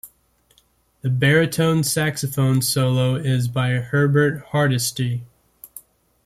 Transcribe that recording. The baritone saxophone solo is by Herbert Hardesty.